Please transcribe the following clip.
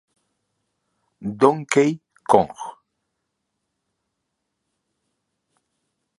Donkey Kong.